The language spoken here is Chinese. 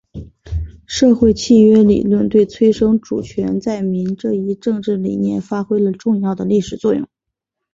社会契约理论对催生主权在民这一政治理念发挥了重要的历史作用。